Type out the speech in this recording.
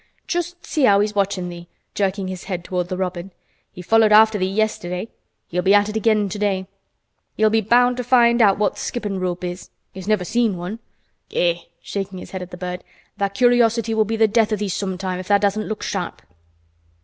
Just see how he's watchin' thee," jerking his head toward the robin. "He followed after thee yesterday. He'll be at it again today. He'll be bound to find out what th' skippin' rope is. He's never seen one. Eh!" shaking his head at the bird, "tha' curiosity will be th' death of thee sometime if tha' doesn't look sharp."